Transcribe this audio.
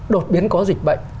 đột biến có dịch bệnh